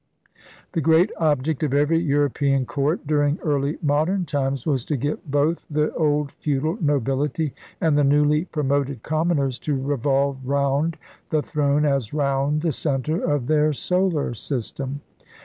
The great object of every European court during early modern times was to get both the ELIZABETHAN ENGLAND 55 old feudal nobility and the newly promoted commoners to revolve round the throne as round the centre of their solar system.